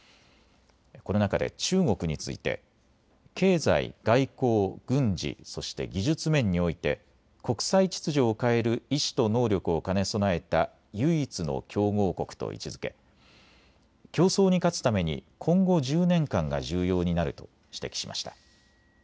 この中で中国について経済、外交、軍事、そして技術面において国際秩序を変える意思と能力を兼ね備えた唯一の競合国と位置づけ競争に勝つために今後１０年間が重要になると指摘しました。